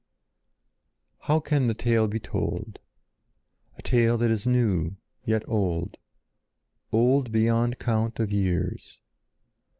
How can the tale be told? A tale that is new, yet old—old beyond count of years.